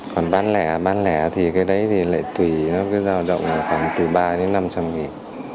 còn bán lẻ bán lẻ thì cái đấy thì lại tùy nó cứ giao động khoảng từ ba đến năm trăm linh nghìn